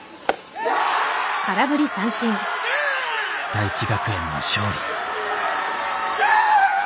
大智学園の勝利。